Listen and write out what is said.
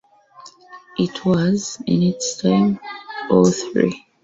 It was, in its time, all three.